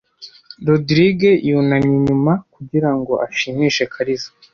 Rogride yunamye inyuma kugirango ashimishe Kariza .